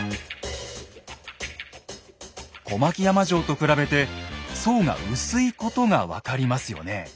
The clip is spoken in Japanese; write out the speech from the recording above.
小牧山城と比べて層が薄いことが分かりますよね。